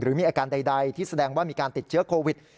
มีอาการใดที่แสดงว่ามีการติดเชื้อโควิด